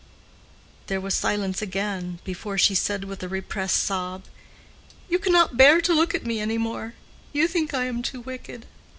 There was silence again before she said with a repressed sob—"You cannot bear to look at me any more. You think I am too wicked.